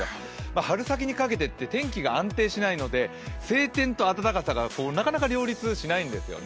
春先にかけてって、天気が安定しないので、晴天と暖かさがなかなか両立しないんですよね。